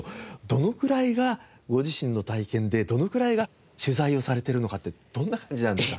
どのくらいがご自身の体験でどのくらいが取材をされてるのかってどんな感じなんですか？